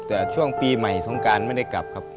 แต่ช่วงปีใหม่สงการไม่ได้กลับครับ